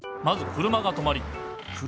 車が止まり。